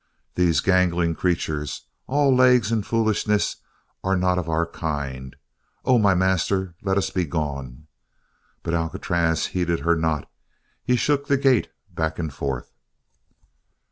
These gangling creatures, all legs and foolishness, are not of our kind, O my master. Let us be gone!" But Alcatraz heeded her not. He shook the gate back and forth.